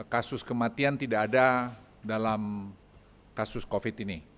kasus kematian tidak ada dalam kasus covid ini